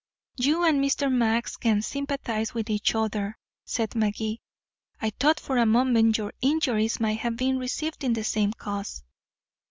"You and Mr. Max can sympathize with each other," said Magee, "I thought for a moment your injuries might have been received in the same cause."